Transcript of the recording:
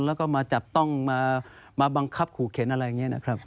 แล้วก็มาจับต้องมาบังคับขู่เข็นอะไรอย่างนี้นะครับ